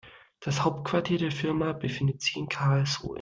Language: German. Das Hauptquartier der Firma befindet sich in Karlsruhe